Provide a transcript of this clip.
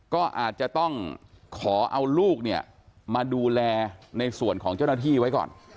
ก็อาจจะต้องขอเอาลูกเนี่ยมาดูแลในส่วนของเจ้าหน้าที่ไว้ก่อน